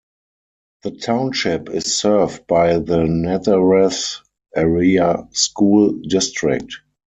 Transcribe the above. The Township is served by the Nazareth Area School District.